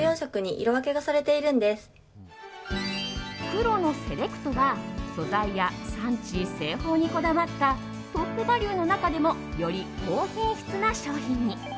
黒のセレクトは素材や産地・製法にこだわったトップバリュの中でもより高品質な商品に。